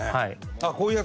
あっこういうやつ。